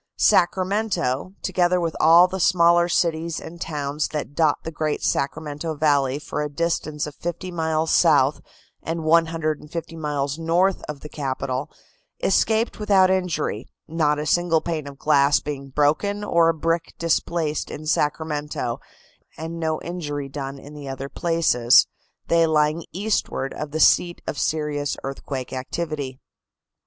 Sacramento, together with all the smaller cities and towns that dot the great Sacramento Valley for a distance fifty miles south and 150 miles north of the capital, escaped without injury, not a single pane of glass being broken or a brick displaced in Sacramento and no injury done in the other places, they lying eastward of the seat of serious earthquake activity.